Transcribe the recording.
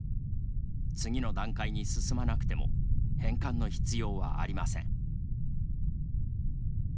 次の段階に進まなくても返還の必要はありません。